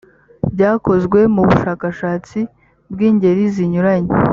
byakozwe mubushakashatsi bw ingeri zinyuranye